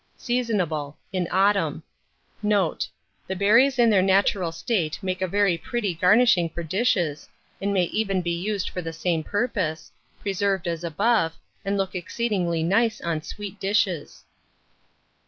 Seasonable in autumn. Note. The berries in their natural state make a very pretty garnishing for dishes, and may even be used for the same purpose, preserved as above, and look exceedingly nice on sweet dishes.